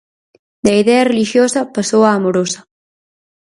Da idea relixiosa pasou a amorosa.